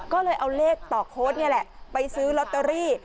ก็เลยเอาเลขต่อโค้ดนี่แหละไปซื้อลอตเตอรี่